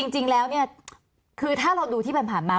จริงแล้วเนี่ยคือถ้าเราดูที่ผ่านมา